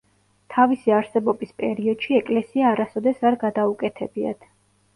თავისი არსებობის პერიოდში ეკლესია არასოდეს არ გადაუკეთებიათ.